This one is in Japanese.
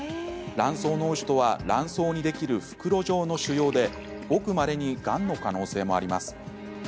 卵巣のう腫とは卵巣にできる袋状の腫瘍でごくまれにがんの可能性もあります。